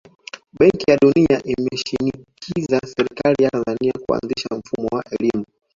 Benki ya dunia imeishinikiza serikali ya Tanzania kuanzisha mfumo wa elimu